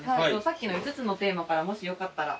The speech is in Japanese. さっきの５つのテーマからもしよかったら選んで。